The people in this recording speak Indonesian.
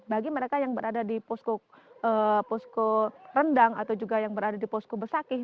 bagi mereka yang berada di posko rendang atau juga yang berada di posko besakih